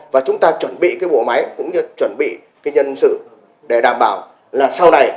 và chúng ta chuẩn bị cái bộ máy cũng như chuẩn bị cái nhân sự để đảm bảo là sau này